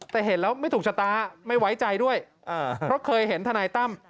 แต่เห็นแล้วไม่ถูกชะตาไม่ไว้ใจด้วยเพราะเคยเห็นทนายตั้ม